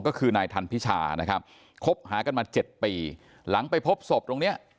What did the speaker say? ก็คือนายทันพิชานะครับคบหากันมาเจ็ดปีหลังไปพบศพตรงเนี้ย